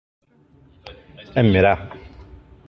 Em mirà.